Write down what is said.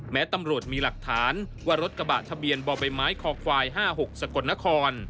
แม้ตำรวจมีหลักฐานว่ารถกระบะทะเบียนบ่อใบไม้คอควาย๕๖สกลนคร